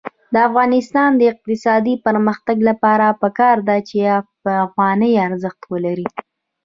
د افغانستان د اقتصادي پرمختګ لپاره پکار ده چې افغانۍ ارزښت ولري.